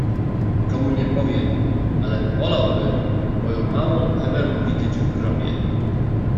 "Nikomu nie powiem, ale wolałbym, moją małą Ewę widzieć w grobie."